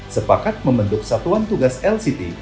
sepakat membentuk satuan tugas lct